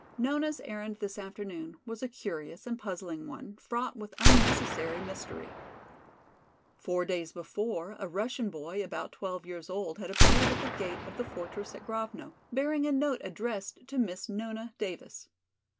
Nona's errand this afternoon was a curious and puzzling one, fraught with unnecessary mystery. Four days before, a Russian boy about twelve years old had appeared at the gate of the fortress at Grovno, bearing a note addressed to Miss Nona Davis.